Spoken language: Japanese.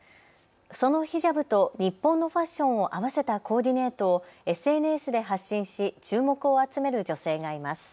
そのヒジャブと日本のファッションを合わせたコーディネートをＳＮＳで発信し注目を集める女性がいます。